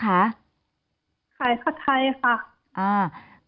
ขายข้าวไทยค่ะ